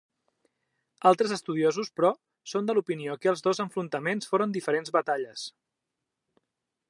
Altres estudiosos, però, són de l’opinió que els dos enfrontaments foren diferents batalles.